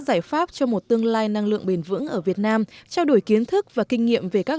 giải pháp cho một tương lai năng lượng bền vững ở việt nam trao đổi kiến thức và kinh nghiệm về các